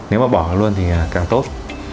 nếu mà bỏ luôn thì càng tốt